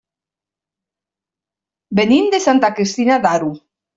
Venim de Santa Cristina d'Aro.